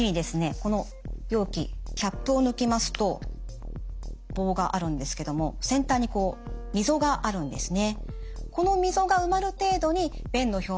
この容器キャップを抜きますと棒があるんですけども先端にみぞがあるんですね。